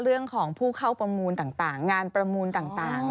เรื่องของผู้เข้าประมูลต่างงานประมูลต่าง